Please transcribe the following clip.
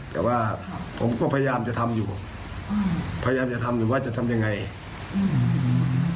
แต่ว่าผมก็พยายามจะทำอยู่อืมพยายามจะทำอยู่ว่าจะทำยังไงอืม